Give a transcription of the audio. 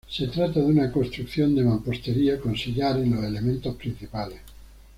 Se trata de una construcción de mampostería con sillar en los elementos principales.